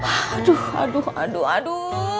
aduh aduh adu